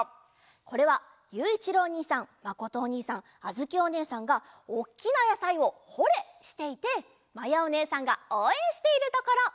これはゆういちろうおにいさんまことおにいさんあづきおねえさんがおっきなやさいを「ホ・レッ！」していてまやおねえさんがおうえんしているところ。